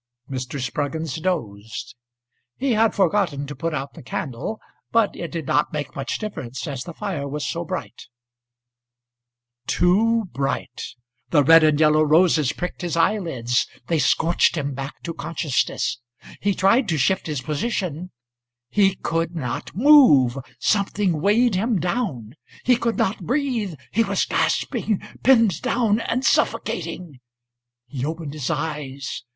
Mr. Spruggins dozed. He had forgotten to put out the candle, But it did not make much difference as the fire was so bright .. .Too bright! The red and yellow roses pricked his eyelids, They scorched him back to consciousness. He tried to shift his position; He could not move. Something weighed him down, He could not breathe. He was gasping, Pinned down and suffocating. He opened his eyes.